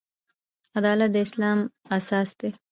عدالت د اسلام اساس دی.